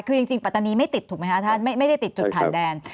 คือจริงปัตตานีไม่ติดถูกไหมคะท่านไม่ได้ติดจุดผ่านแดน